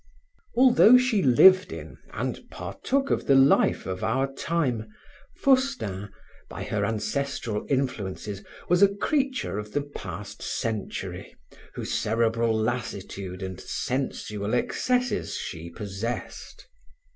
Although she lived in, and partook of the life of our time, Faustin, by her ancestral influences, was a creature of the past century whose cerebral lassitude and sensual excesses she possessed.